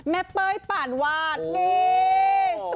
เป้ยป่านวาดนี่